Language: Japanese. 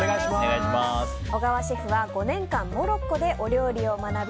小川シェフは５年間モロッコでお料理を学び